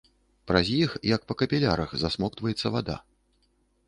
Праз іх, як па капілярах, засмоктваецца вада.